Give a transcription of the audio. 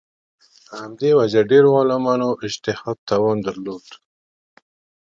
په همدې وجه ډېرو عالمانو اجتهاد توان درلود